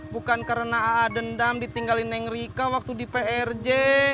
bukan karena aa dendam ditinggalin yang rika waktu di prj